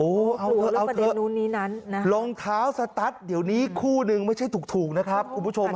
เอาเถอะเอาเถอะรองเท้าสตัสเดี๋ยวนี้คู่นึงไม่ใช่ถูกนะครับคุณผู้ชม